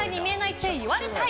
って言われたい。